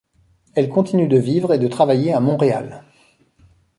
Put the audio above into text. Elle continue de vivre et de travailler à Montréal.